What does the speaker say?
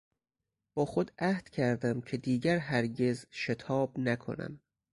با خود عهد کردم که دیگر هرگز شتاب نکنم.